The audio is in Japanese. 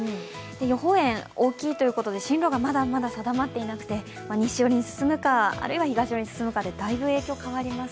予報円、大きいということで、進路がまだまだ定まっていなくて西寄りに進むか、あるいは東寄りに進むかでだいぶ進路が変わります。